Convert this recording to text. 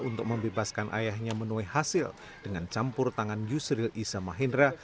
untuk membebaskan ayahnya menuhi hasil dengan campur tangan yusril isa mahindra